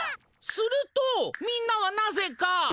するとみんなはなぜか。